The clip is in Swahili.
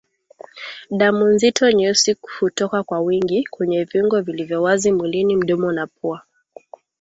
Damu nzito nyeusi hutoka kwa wingi kwenye viungo vilivyo wazi mwilini mdomo na pua